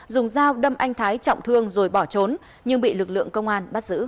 dùng dao đâm anh thái trọng thương rồi bỏ trốn nhưng bị lực lượng công an bắt giữ